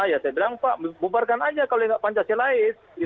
ya saya bilang pak bubarkan aja kalau pancasila lain